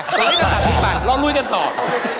ตรงนี้ก็ตัดทิ้งไปรอรุ่นจะตอบ